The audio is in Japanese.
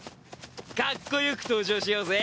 かっこよく登場しようぜ。